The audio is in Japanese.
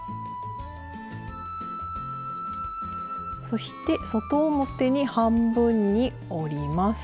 そして外表に半分に折ります。